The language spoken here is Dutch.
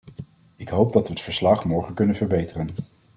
Ik hoop dat we het verslag morgen kunnen verbeteren.